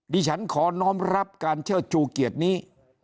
ดิฉันขอน้องรับการเชิดชูเกียรตินี้